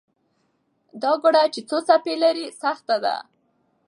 دا ګړه چې څو څپې لري، سخته ده.